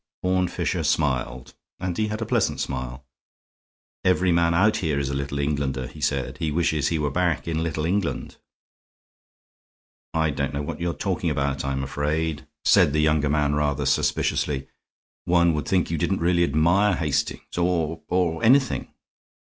Horne Fisher smiled, and he had a pleasant smile. "Every man out here is a Little Englander," he said. "He wishes he were back in Little England." "I don't know what you're talking about, I'm afraid," said the younger man, rather suspiciously. "One would think you didn't really admire Hastings or or anything."